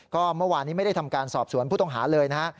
ก็เมื่อวานนี้ไม่ได้ทำการสอบสวนผู้ต้องหาเลยนะฮะ